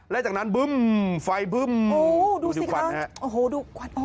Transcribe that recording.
และจากนั้นบึ้มไฟบึ้มดูควันฮะโอ้โหดูควัน